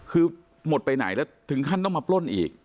คือหมดไปไหนแล้วถึงขั้นต้องมาปล้นอีก